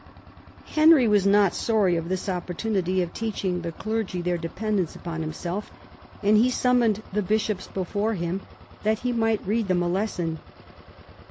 Henry was not sorry of an opportunity of teach ing the clergy their dependence upon himself, and he summoned the bishops before him that he might read them a lesson.